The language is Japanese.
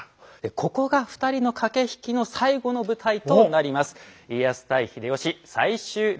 ここが２人の駆け引きの最後の舞台となります。